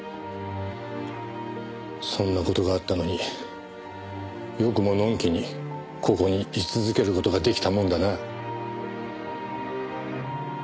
そんな事があったのによくものんきにここに居続ける事が出来たもんだな。